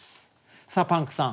さあパンクさん。